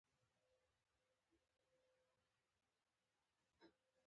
د بد عمل سزا تل رسیږي.